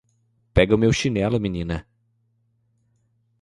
Pega meu chinelo menina.